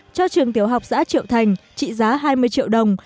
cho trường tiểu học xã triệu thành trị giá hai mươi triệu đồng